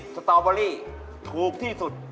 สตอเบอรี่ถูกที่สุด